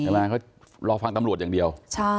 เขารอฟังตำรวจอย่างเดียว